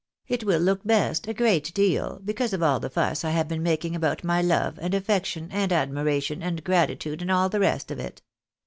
It will look best, a great deal, because of all the fuss I have been making about my love, and affection, and admiration, and gratitude, and all the rest of it.